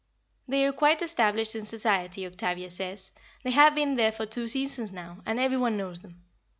They are quite established in Society, Octavia says; they have been there for two seasons now, and every one knows them.